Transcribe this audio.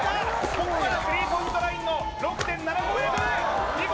ここからスリーポイントラインの６．７５ｍ見事！